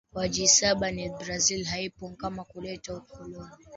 wa G saba na Brazil haipo ni kama kuleta ukoloni